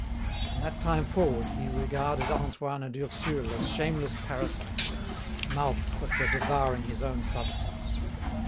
From that time forward he regarded Antoine and Ursule as shameless parasites, mouths that were devouring his own substance.